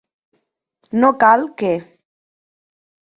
No cal que.